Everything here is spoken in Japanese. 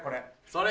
それ。